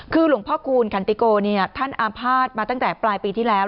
คือหลวงพ่อคูณคันติโกท่านอาภาษณ์มาตั้งแต่ปลายปีที่แล้ว